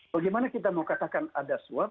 bagaimana kita mau katakan ada swab